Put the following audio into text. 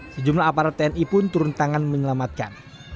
sejumlah aparat tni pun turun tangan menyelamatkan